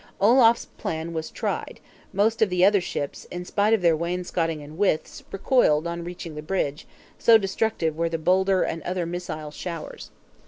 Olaf's plan was tried; most of the other ships, in spite of their wainscoting and withes, recoiled on reaching the Bridge, so destructive were the boulder and other missile showers.